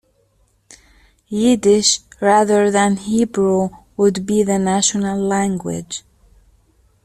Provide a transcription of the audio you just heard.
Yiddish, rather than Hebrew, would be the national language.